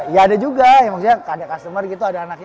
ya ada juga ya maksudnya ada customer gitu ada anaknya